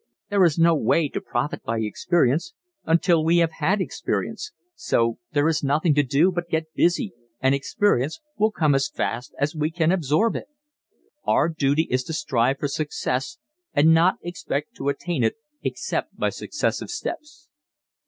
There is no way to profit by experience until we have had experience so there is nothing to do but get busy and experience will come as fast as we can absorb it. Our duty is to strive for success and not expect to attain it except by successive steps.